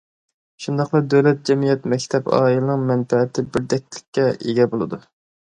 شۇنداقلا دۆلەت، جەمئىيەت، مەكتەپ، ئائىلىنىڭ مەنپەئەتى بىردەكلىككە ئىگە بولىدۇ.